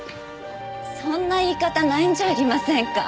そんな言い方ないんじゃありませんか？